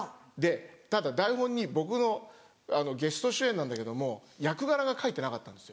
ただ台本に僕のゲスト主演なんだけども役柄が書いてなかったんですよ